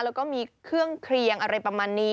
แล้วก็มีเครื่องเคลียงอะไรประมาณนี้